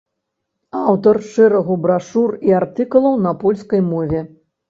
Аўтар шэрагу брашур і артыкулаў на польскай мове.